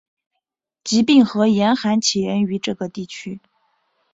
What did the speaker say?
疾病和严寒起源于这个地区。